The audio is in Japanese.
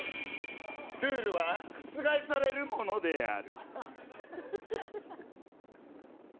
ルールはくつがえされるものである。